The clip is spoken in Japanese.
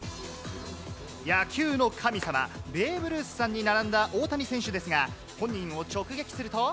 野球の神様、ベーブ・ルースさんに並んだ大谷選手ですが、本人を直撃すると。